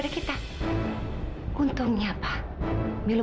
saya buat hal untuk hidup kamu